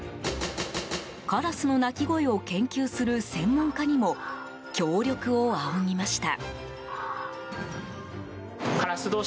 カラスの鳴き声を研究する専門家にも協力を仰ぎました。